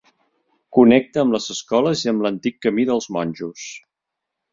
Connecta amb les escoles i amb l'Antic Camí dels Monjos.